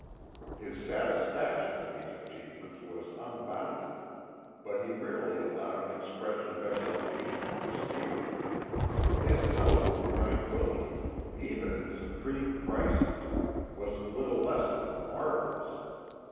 His satisfaction at these achievements was unbounded, but he rarely allowed an expression of exultation to escape him. His outward tranquillity, even in supreme crises, was little less than marvellous.